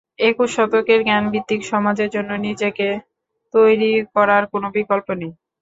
একুশ শতকের জ্ঞানভিত্তিক সমাজের জন্য নিজেকে তৈরি করার কোনো বিকল্প নেই।